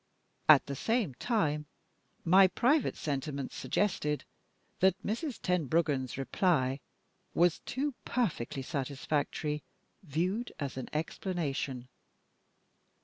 At the same time, my private sentiments suggested that Mrs. Tenbruggen's reply was too perfectly satisfactory, viewed as an explanation.